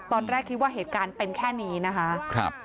ตอนแรกคิดว่าเหตุการณ์เป็นแค่นี้นะคะ